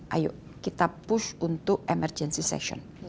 ayo kita push untuk emergency session